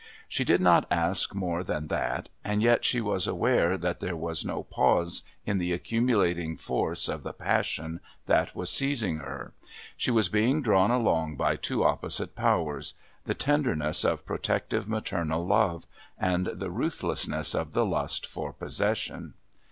She did not ask more than that, and yet she was aware that there was no pause in the accumulating force of the passion that was seizing her. She was being drawn along by two opposite powers the tenderness of protective maternal love and the ruthlessness of the lust for possession.